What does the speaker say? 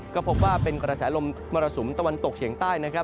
ก็พบว่าเป็นกระแสลมมรสุมตะวันตกเฉียงใต้นะครับ